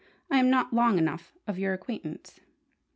I am not long enough of your acquaintance.